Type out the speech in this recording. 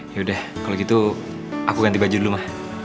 ya udah kalau gitu aku ganti baju dulu mah